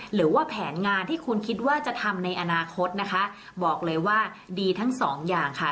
หรือว่าแผนงานที่คุณคิดว่าจะทำในอนาคตนะคะบอกเลยว่าดีทั้งสองอย่างค่ะ